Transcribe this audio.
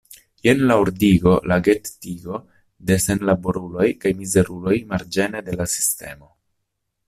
Jen la ordigo, la gettigo de senlaboruloj kaj mizeruloj marĝene de la sistemo.